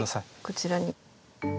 こちらに。